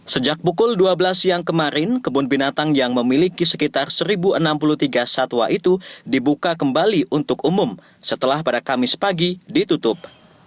sejak pukul dua belas siang kemarin kebun binatang yang memiliki sekitar satu enam puluh tiga satwa itu dibuka kembali untuk umum setelah pada kamis pagi ditutup